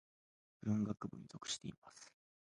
文学部に属しています。